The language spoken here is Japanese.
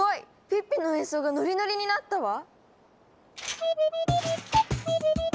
ピッピの演奏がノリノリになったわ！